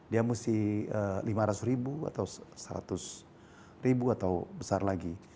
dia mesti lima ratus ribu atau seratus ribu atau besar lagi